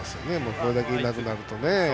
これだけいなくなると。